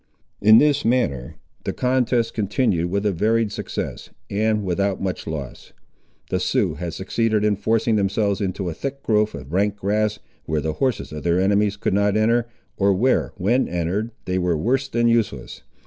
In this manner the contest continued with a varied success, and without much loss. The Siouxes had succeeded in forcing themselves into a thick growth of rank grass, where the horses of their enemies could not enter, or where, when entered, they were worse than useless.